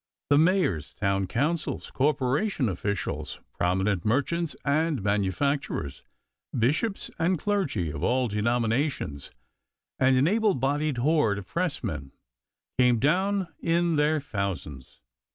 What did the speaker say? The mayors, town councils, corporation officials, prominent merchants and manufacturers, bishops and clergy of all denominations, and an able bodied horde of pressmen came down in their thousands.